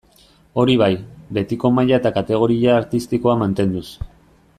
Hori bai, betiko maila eta kategoria artistikoa mantenduz.